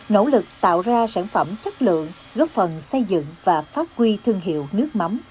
nỗ lực tạo ra sản phẩm chất lượng góp phần xây dựng và phát huy thương hiệu nước mắm